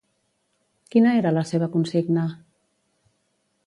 Quina era la seva consigna?